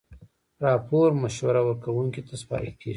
راپور مشوره ورکوونکي ته سپارل کیږي.